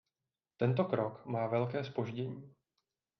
Tento krok má velké zpoždění.